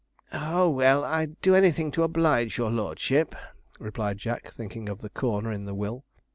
'Ah, well, I'd do anything to oblige your lordship,' replied Jack, thinking of the corner in the will.